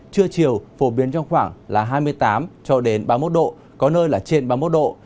trưa chiều phổ biến trong khoảng hai mươi tám ba mươi một độ có nơi là trên ba mươi một độ